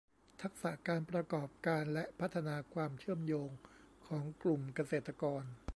ทักษะการประกอบการและพัฒนาความเชื่อมโยงของกลุ่มเกษตรกร